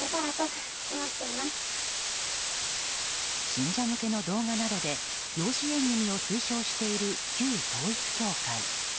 信者向けの動画などで養子縁組を推奨している旧統一教会。